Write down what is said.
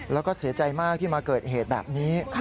แล้วก็เสียใจมากที่มาเกิดเหตุแบบนี้